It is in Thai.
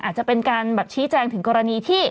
อาจจะเป็นการแบบชี้แจงถึงกรณีที่